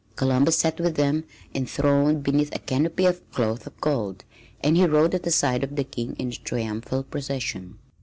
Columbus sat with them enthroned beneath a canopy of cloth of gold and he rode at the side of the King in a triumphal procession.